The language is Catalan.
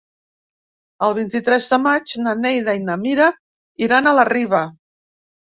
El vint-i-tres de maig na Neida i na Mira iran a la Riba.